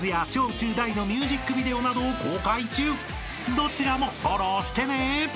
［どちらもフォローしてね］